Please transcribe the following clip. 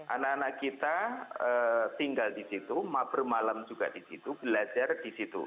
anak anak kita tinggal di situ bermalam juga di situ belajar di situ